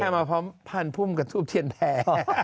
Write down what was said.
ชั้นก็พอผ่านพุ่มกับทูปเทียนแพล